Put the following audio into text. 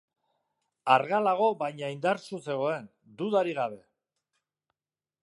Argalago baina indartsu zegoen, dudarik gabe.